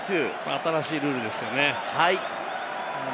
新しいルールですよね。